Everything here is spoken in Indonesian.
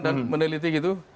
dan meneliti gitu